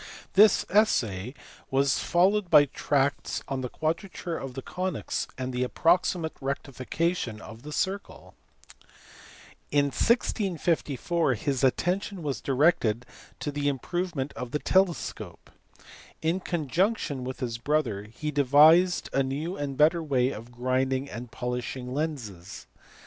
This essay was followed by tracts on the quadrature of the conies and the approximate rectification of the circle. In 1654 his attention was directed to the improvement of the telescope. In conjunction with his brother he devised a new and better way of grinding and polishing lenses.